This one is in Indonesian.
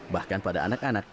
bahkan pada anak anak